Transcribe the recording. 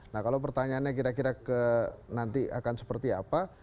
nah kalau pertanyaannya kira kira nanti akan seperti apa